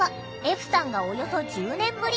歩さんがおよそ１０年ぶり。